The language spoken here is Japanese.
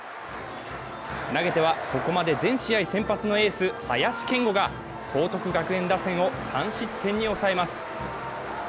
投げては、ここまで全試合先発のエース・林謙吾が報徳学園打線を３失点に抑えます。